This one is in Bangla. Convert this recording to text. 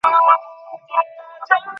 কিছু উত্তর না করিয়া চলিয়া গেলেন।